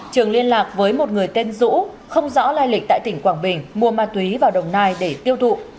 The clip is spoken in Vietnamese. trường liên lạc với một người tên dũ không rõ lai lịch tại tỉnh quảng bình mua ma túy vào đồng nai để tiêu thụ